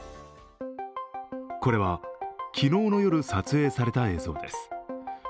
これは昨日の夜撮影された映像です。